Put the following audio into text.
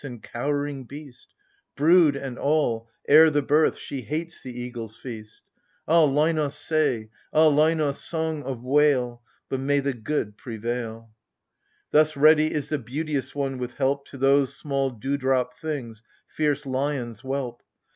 13 And cowering beast, Brood and all, ere the birth: she hates the eagles' feast. Ah, Linos, say — ah, Linos, song of wail ! But may the good prevail ! Thus ready is the beauteous one with help To those small dew drop things fierce lions whelp.